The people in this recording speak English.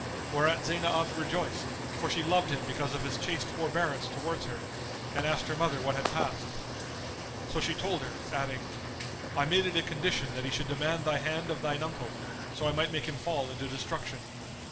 Whereat Zaynab rejoiced, for she loved him because of his chaste forbearance towards her,[FN#242] and asked her mother what had passed. So she told her, adding, "I made it a condition that he should demand thy hand of thine uncle, so I might make him fall into destruction."